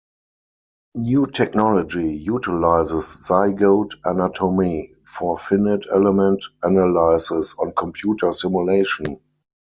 New technology utilizes Zygote anatomy for finite element analysis and computer simulation.